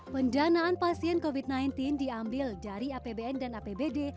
pendanaan pasien covid sembilan belas diambil dari apbn dan apbd